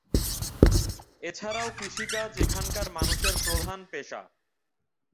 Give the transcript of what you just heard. এছাড়াও কৃষিকাজ এখানকার মানুষের প্রধান পেশা।